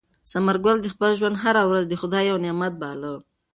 ثمر ګل د خپل ژوند هره ورځ د خدای یو نعمت باله.